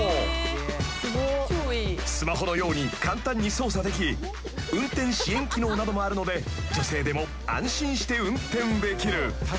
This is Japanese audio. ［スマホのように簡単に操作でき運転支援機能などもあるので女性でも安心して運転できる］